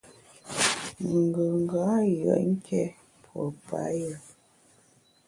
Ngùnga yùet nké pue payù.